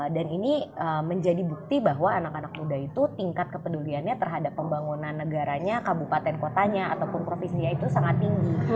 dan ini menjadi bukti bahwa anak anak muda itu tingkat kepeduliannya terhadap pembangunan negaranya kabupaten kotanya ataupun provinsia itu sangat tinggi